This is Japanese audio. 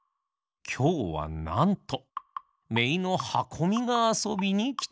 きょうはなんとめいのはこみがあそびにきています。